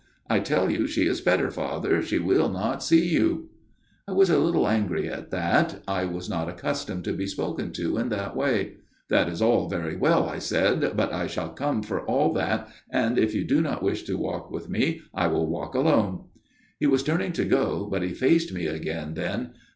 ' I tell you she is better, Father : she will not see you/ " I was a little angry at that. I was not accustomed to be spoken to in that way. "' That is very well/ I said, ' but I shall come for all that, and if you do not wish to walk with me, I shall walk alone/ " He was turning to go, but he faced me again then.